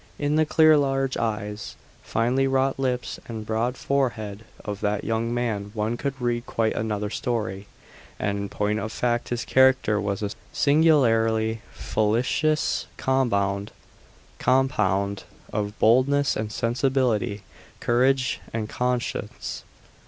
In the clear large eyes, finely wrought lips, and broad forehead of that young man one could read quite another story, and in point of fact his character was a singularly felicitous compound of boldness and sensibility, courage and conscience.